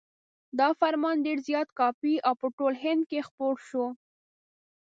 دا فرمان ډېر زیات کاپي او په ټول هند کې خپور شو.